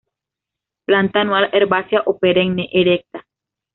Planta anual herbácea, o perenne; erecta.